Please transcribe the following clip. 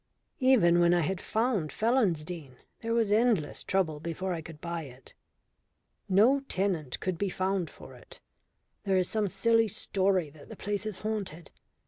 Even when I had found Felonsdene there was endless trouble before I could buy it. No tenant could be found for it there is some silly story that the place is haunted.